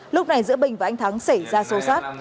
lúc này giữa bình và anh thắng xảy ra xô xát